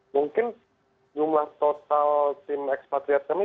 mungkin jumlah total tim ekspatriat kami